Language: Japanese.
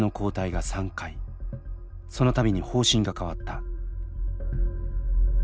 その度に方針が変わった。